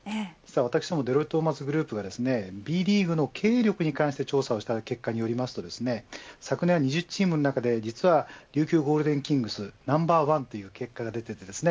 私もデロイトトーマツグループではＢリーグの経営力に関して調査をした結果によりますと昨年は２０チームの中で、実は琉球ゴールデンキングスナンバーワンという結果が出ているんです。